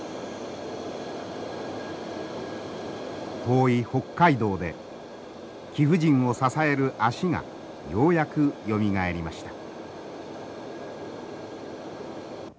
遠い北海道で貴婦人を支える足がようやくよみがえりました。